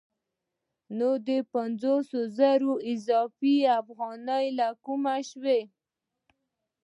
نو دا پنځوس زره اضافي افغانۍ له کومه شوې